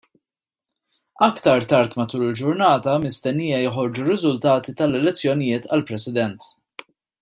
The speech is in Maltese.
Aktar tard matul il-ġurnata mistennija joħorġu r-riżultati tal-elezzjonijiet għall-President.